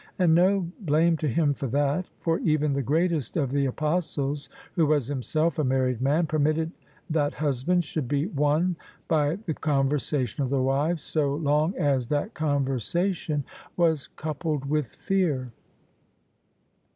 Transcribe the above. And no blame to him for that! For even the greatest of the Apos tles, who was himself a married man, permitted that hus bands should be won by the conversation of the wives, so long as that conversation was coupled with fear.